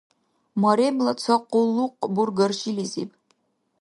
Маремла ца къуллукъ бургар шилизиб?